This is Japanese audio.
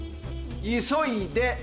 急いで！